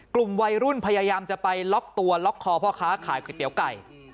กลุ่มวัยรุ่นพยายามจะไปล็อกตัวล็อกคอพ่อค้าขายก๋วยเตี๋ยวไก่